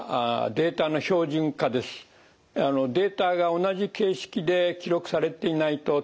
データが同じ形式で記録されていないと統合できないわけです。